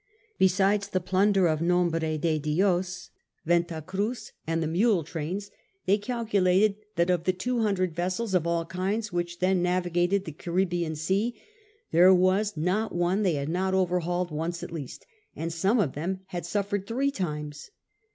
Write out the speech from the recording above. Besides the plunder of Nombre de Dios, Venta Cruz, and the mule trains, they calculated that of the two hundred vessels of all kinds which then navigated the Caribbean Sea, there was not one they had not overhauled once at least, and some of them had suffered three times.